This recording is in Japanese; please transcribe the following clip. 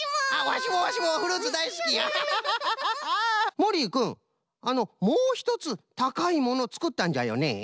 もりいくんもうひとつ「たかいもの」つくったんじゃよね？